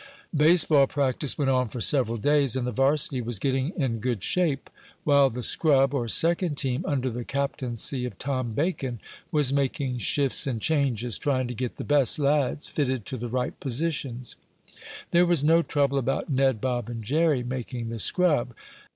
Baseball practice went on for several days, and the varsity was getting in good shape, while the scrub, or second team, under the captaincy of Tom Bacon, was making shifts and changes, trying to get the best lads fitted to the right positions. There was no trouble about Ned, Bob and Jerry making the scrub.